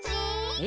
え？